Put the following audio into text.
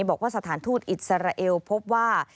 บอกว่าสถานทูตอิสราเอลพบว่า